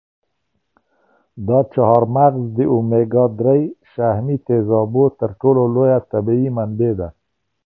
دا چهارمغز د اومیګا درې شحمي تېزابو تر ټولو لویه طبیعي منبع ده.